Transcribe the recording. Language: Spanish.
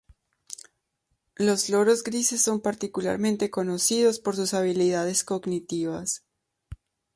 Los loros grises son particularmente conocidos por sus habilidades cognitivas.